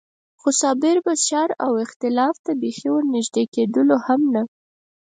خو صابر به شر او اختلاف ته بېخي ور نږدې کېدلو هم نه.